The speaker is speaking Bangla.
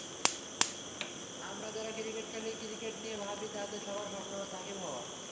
আমরা যারা ক্রিকেট খেলি, ক্রিকেট নিয়ে ভাবি, তাদের সবার স্বপ্ন সাকিব হওয়া।